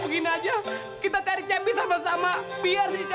kalau tante emak sayang